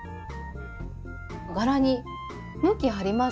柄に向きありますよね？